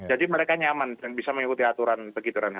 jadi mereka nyaman dan bisa mengikuti aturan begitu